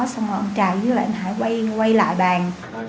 rồi ông trà dưới lại anh hãy quay lại bàn